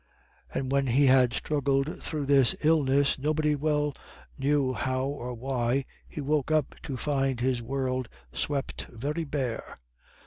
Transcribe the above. And when he had struggled through this illness, nobody well knew how or why, he woke up to find his world swept very bare.